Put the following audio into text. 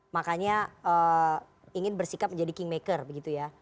makanya ingin bersikap menjadi kingmaker begitu ya